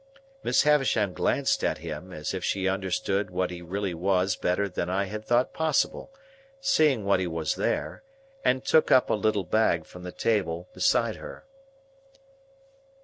Miss Havisham glanced at him as if she understood what he really was better than I had thought possible, seeing what he was there; and took up a little bag from the table beside her.